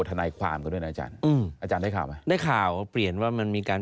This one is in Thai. ทนายความกันด้วยนะอาจารย์อืมอาจารย์ได้ข่าวไหมได้ข่าวเปลี่ยนว่ามันมีการ